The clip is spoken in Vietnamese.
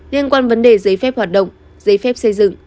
liên quan vấn đề giấy phép hoạt động giấy phép xây dựng